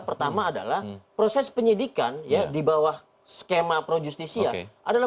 pertama adalah proses penyidikan ya dibawah skema projustis ya